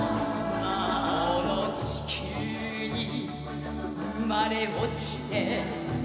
この地球に生まれ落ちて